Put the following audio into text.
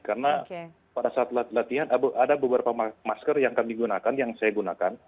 karena pada saat latihan ada beberapa masker yang akan digunakan yang saya gunakan